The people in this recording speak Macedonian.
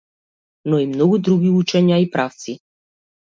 Но и многу други учења и правци.